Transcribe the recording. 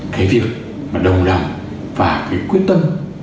cái việc mà đồng đồng và cái quyết tâm